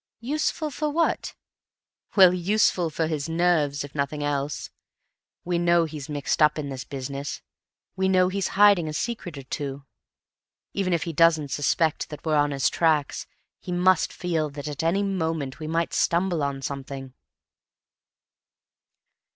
"Useful for what?" "Well, useful for his nerves, if for nothing else. We know he's mixed up in this business; we know he's hiding a secret or two. Even if he doesn't suspect that we're on his tracks, he must feel that at any moment we might stumble on something."